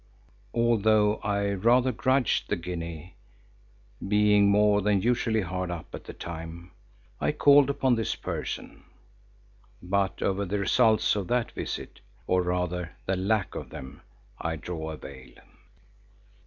Although I rather grudged the guinea, being more than usually hard up at the time, I called upon this person, but over the results of that visit, or rather the lack of them, I draw a veil.